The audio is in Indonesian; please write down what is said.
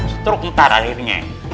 struk lutar akhirnya